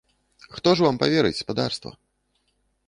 Хто ж вам паверыць, спадарства?